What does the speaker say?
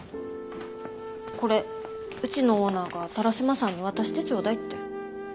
これうちのオーナーが田良島さんに渡してちょうだいって。